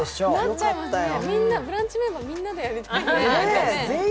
ブランチメンバーみんなでやりたいね。